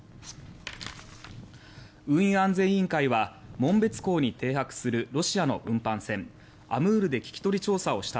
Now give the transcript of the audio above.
運輸安全委員会は紋別港に停泊するロシアの運搬船「ＡＭＵＲ」で聞き取り調査をした